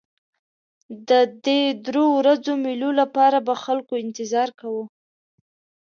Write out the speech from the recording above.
د دې درې ورځو مېلو لپاره به خلکو انتظار کاوه.